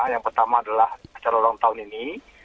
yang pertama adalah acara ulang tahun ini